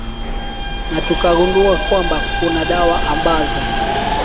na tukangundua kwamba kuna dawa ambazo